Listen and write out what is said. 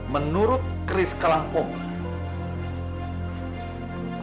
menurut kris kalangkobar